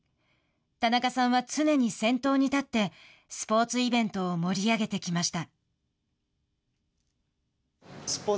田中さんは常に先頭に立ってスポーツイベントを盛り上げてきました。